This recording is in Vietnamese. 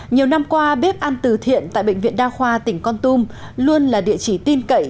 nhiều năm qua bếp ăn từ thiện tại bệnh viện đa khoa tỉnh con tum luôn là địa chỉ tin cậy